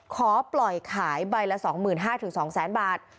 ขอปล่อยขายใบละ๒๕๐๐๒๐๐๐บาท